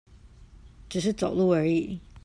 只是走路而已